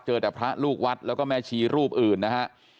เจอแต่พระลูกวัดแล้วก็แม่ชีรูปอื่นนะฮะ